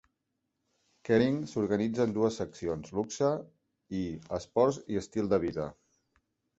Kering s'organitza en dues seccions: "Luxe" i "Esport i estil de vida".